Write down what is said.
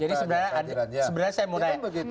jadi sebenarnya saya mulai